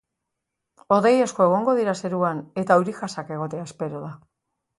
Hodei asko egongo dira zeruan eta euri-jasak egotea espero da.